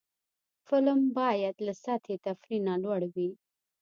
فلم باید له سطحي تفریح نه لوړ وي